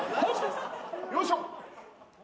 よいしょ。